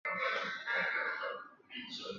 则是食用时把食物蘸进已调味的酱。